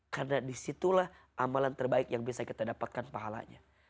karena disitulah amalan terbaik yang bisa kita dapatkan pahalanya